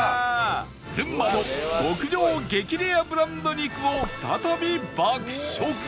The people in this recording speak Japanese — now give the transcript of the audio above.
群馬の極上激レアブランド肉を再び爆食！